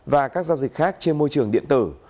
và các giao dịch khác trên môi trường điện tử